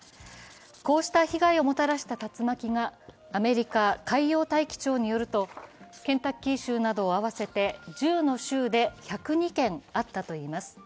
こうした被害をもたらした竜巻がアメリカ海洋大気庁によるとケンタッキー州など合わせて１０の州で１０２件あったといいます。